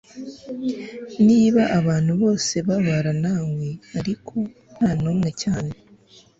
Niba abantu bose babara nawe ariko ntanumwe cyane